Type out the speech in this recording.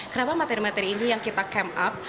kenapa materi materi ini yang kita camp up